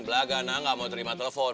blagana gak mau terima telepon